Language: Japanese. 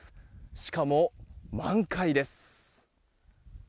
しかも、満開です。